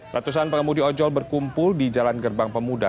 ratusan pengemudi ojol berkumpul di jalan gerbang pemuda